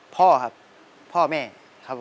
พ่อครับพ่อแม่ครับผม